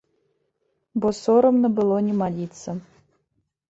Бо сорамна было не маліцца.